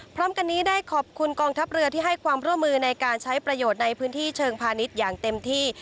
พร้อมกันนี้ได้ขอบคุณกองทัพเรือที่ให้ความร่วมมือในการใช้ประโยชน์ในพื้นที่เชิงพาณิชย์อย่างเต็มที่